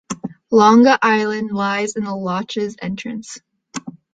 Longa Island lies at the loch's entrance.